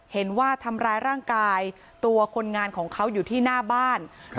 เห็นว่าทำร้ายร่างกายตัวคนงานของเขาอยู่ที่หน้าบ้าน